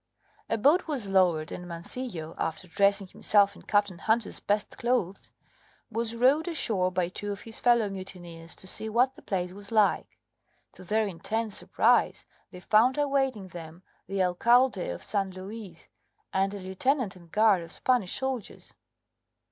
A boat was lowered, and Mancillo, after dressing himself in Captain Hunter's best clothes, was rowed ashore by two of his fellow mutineers to see what the place was like. To their intense surprise they found awaiting them the Alcalde of San Luis, and a lieutenant and guard of Spanish soldiers.